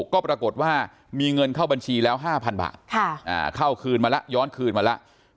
ก็ปรากฏว่ามีเงินเข้าบัญชีแล้ว๕๐๐บาทเข้าคืนมาแล้วย้อนคืนมาแล้ว